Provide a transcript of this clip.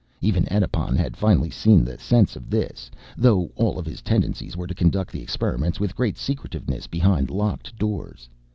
Even Edipon had finally seen the sense of this, though all of his tendencies were to conduct the experiments with great secretiveness behind locked doors.